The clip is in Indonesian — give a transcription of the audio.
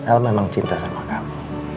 al memang cinta sama kamu